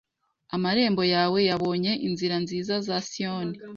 Amarembo yawe yabonye inzira nziza za Siyoni